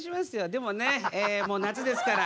でもねもう夏ですから。